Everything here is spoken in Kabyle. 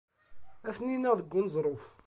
Ad ten-ineɣ deg uneẓruf.